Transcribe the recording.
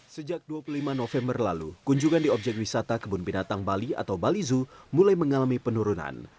sejak dua puluh lima november lalu kunjungan di objek wisata kebun binatang bali atau bali zoo mulai mengalami penurunan